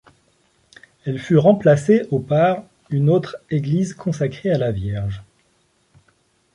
Elle fut remplacée au par une autre église consacrée à la Vierge.